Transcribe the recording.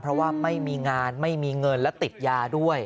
เพราะว่าไม่มีงานไม่มีเงินและติดยาด้วย